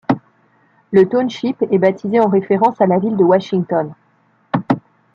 Le township est baptisé en référence à la ville de Washington.